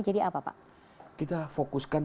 jadi apa pak kita fokuskan